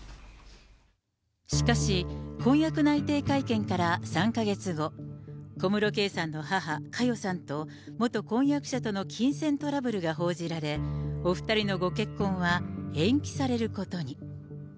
しかし、婚約内定会見から３か月後、小室圭さんの母、佳代さんと元婚約者との金銭トラブルが報じられ、お２人のご結婚は延期されることに。